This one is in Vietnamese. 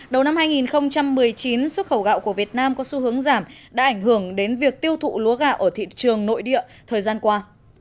đầu năm hai nghìn một mươi chín xuất khẩu gạo của việt nam có xu hướng giảm đã ảnh hưởng đến việc tiêu thụ lúa gạo ở thị trường nội địa thời gian qua